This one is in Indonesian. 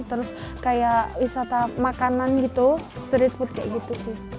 terus kayak wisata makanan gitu street food kayak gitu sih